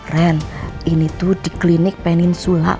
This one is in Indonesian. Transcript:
ren ini tuh di klinik peninsula